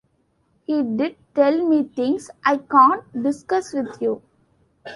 He did tell me things I can't discuss with you.